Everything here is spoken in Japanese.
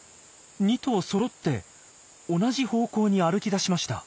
２頭そろって同じ方向に歩きだしました。